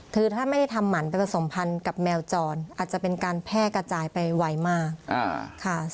คือถ้าไม่ได้ทำหมันไปผสมพันธ์กับแมวจรอาจจะเป็นการแพร่กระจายไปไวมากค่ะ